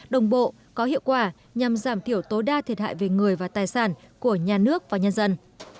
đồng bộ có hiệu quả nhằm giảm thiểu tối đa thiệt hại về người và tài sản của nhà nước và nhân dân